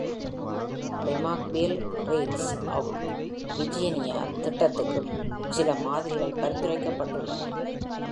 "ரிமார்க்கபில் trees of Virginia" திட்டத்திற்கு சில மாதிரிகள் பரிந்துரைக்கப்பட்டுள்ளன.